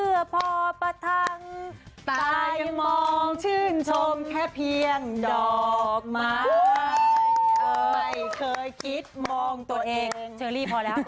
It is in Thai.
เฮ้ยเพลงเขาฮิตไง